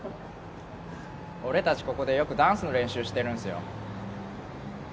俺達ここでよくダンスの練習してるんすよ